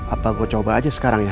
apaku coba aja sekarang ya